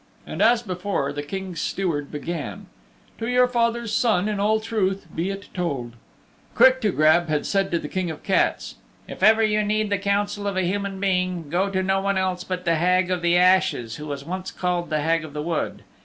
And as before the King's Steward began "To your father's Son in all truth be it told" Quick to Grab had said to the King of the Cats, "If ever you need the counsel of a human being, go to no one else but the Hag of the Ashes who was once called the Hag of the Wood.